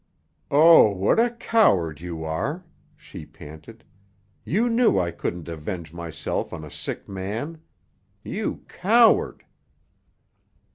"Oh, what a coward you are!" she panted. "You knew I couldn't avenge myself on a sick man. You coward!"